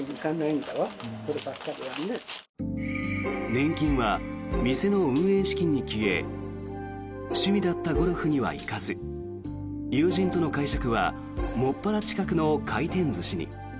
年金は店の運営資金に消え趣味だったゴルフには行かず友人との会食はもっぱら近くの回転寿司に。